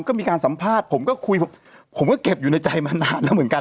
ก็มีการสัมภาษณ์ผมก็คุยผมก็เก็บอยู่ในใจมานานแล้วเหมือนกัน